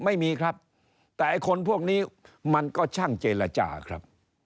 ไม่มีครับแต่ไอ้คนพวกนี้มันก็ช่างเจรจาครับ